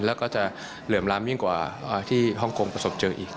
แล้วก็จะเหลื่อมล้ำยิ่งกว่าที่ฮ่องกงประสบเจออีก